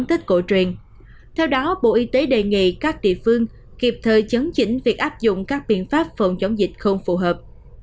theo đó bộ y tế đề nghị các địa phương kịp thời chấn chỉnh việc áp dụng các biện pháp phòng chống dịch không phù hợp